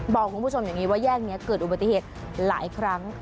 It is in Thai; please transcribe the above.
บอกคุณผู้ชมว่าแยกนี้เกิดอุปอฏิเหตุหลายครั้ง